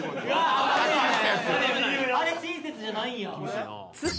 あれ親切じゃないんや。